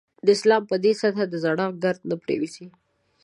د اسلام پر دې سطح د زړښت ګرد نه پرېوځي.